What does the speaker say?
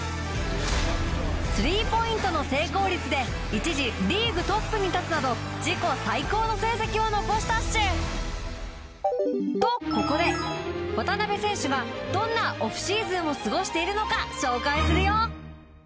スリーポイントの成功率で一時リーグトップに立つなど自己最高の成績を残したっシュ！とここで渡邊選手がどんなオフシーズンを過ごしているのか紹介するよ。